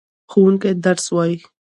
ښوونکی درس وايي.